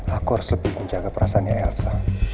aku harus lebih menjaga perasaan nya elsa